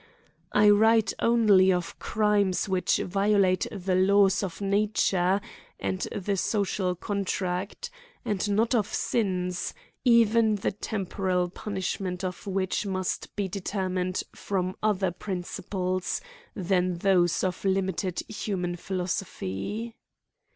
1 write only of crimes which violate the laws of nature and the social contract, and not of sins, even the temporal punishments of which must b< detcrmi'nd from other princi ples than those of limited Human philosophy.